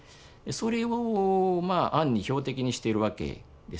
それを暗に標的にしているわけですね。